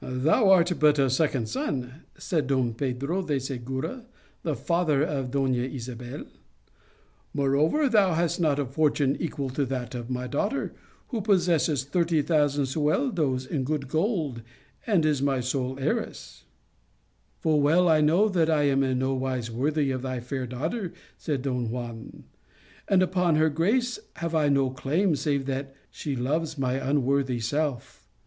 A Tertulia 109 " c Thou art but a second son/ said Don Pedro de Segura, the father of Dona Isabel. c Moreover, thou hast not a fortune equal to that of my daughter, who possesses thirty thousand sueldos in good gold, and is my sole heiress/ "' Full well I know that I am in no wise worthy of thy fair daughter/ said Don Juan, c and upon her grace have I no claim save that she loves my unworthy self.